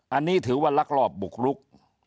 อันนี้ถือว่าลักลอบบุกรุก